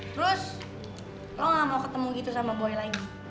terus lo gak mau ketemu gitu sama boy lagi